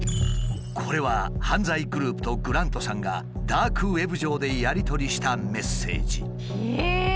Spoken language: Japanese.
これは犯罪グループとグラントさんがダークウェブ上でやり取りしたメッセージ。